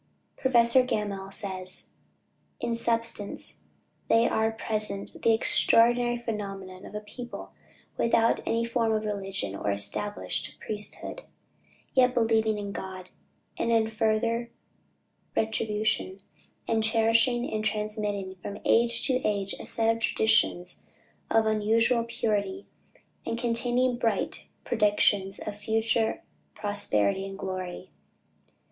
Professor Gammell says, in substance, that they present the extraordinary phenomenon of a people without any form of religion or established priesthood, yet believing in God, and in future retribution, and cherishing and transmitting from age to age a set of traditions of unusual purity, and containing bright predictions of future prosperity and glory.